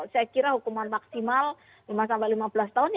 saya kira hukuman maksimal lima sampai lima belas tahun